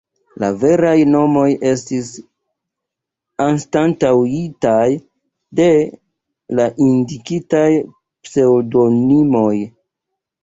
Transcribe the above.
La veraj nomoj estis anstataŭitaj de la indikitaj pseŭdonimoj.